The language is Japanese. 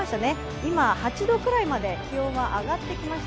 今、８度ぐらいまで気温は上がってきました。